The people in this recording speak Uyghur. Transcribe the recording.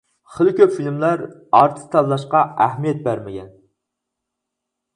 خېلى كۆپ فىلىملار ئارتىس تاللاشقا ئەھمىيەت بەرمىگەن.